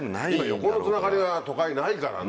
今横のつながりが都会ないから。